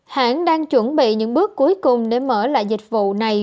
hãng đang chuẩn bị những bước cuối cùng để mở lại dịch vụ này